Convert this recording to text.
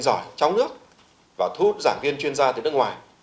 có giảng viên giỏi trong nước và thu giảng viên chuyên gia từ nước ngoài